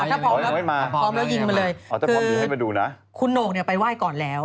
พร้อมแล้วยิงมาเลยคือคุณโน่กไปไหว้ก่อนแล้ว